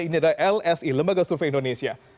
ini adalah lsi lembaga survei indonesia